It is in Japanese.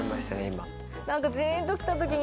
今。